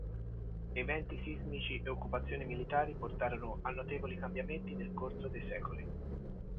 Eventi sismici e occupazioni militari portarono a notevoli cambiamenti nel corso dei secoli.